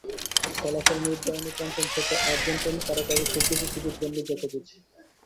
ফলাফল নির্ধারণী পঞ্চম সেটে আর্জেন্টাইন তারকাকে খুব বেশি সুযোগ দেননি জকোভিচ।